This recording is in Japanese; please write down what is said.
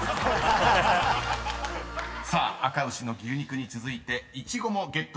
［さああか牛の牛肉に続いていちごもゲットなるか？］